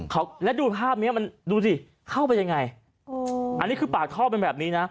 เขาแล้วดูภาพเนี้ยมันดูสิเข้าไปยังไงโอ้อันนี้คือปากท่อเป็นแบบนี้นะ